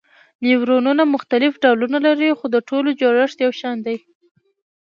نیورونونه مختلف ډولونه لري خو د ټولو جوړښت یو شان دی.